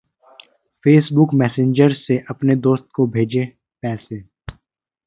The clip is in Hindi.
Facebook मेसेंजर से अपने दोस्त को भेजें पैसे